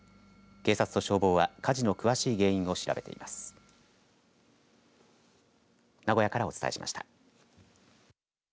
警察と消防は火事の詳しい原因を調べています。